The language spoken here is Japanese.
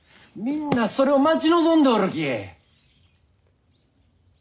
みんなそれを待ち望んでおるき。